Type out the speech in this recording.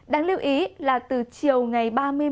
đáng lưu ý là từ chiều ngày ba mươi một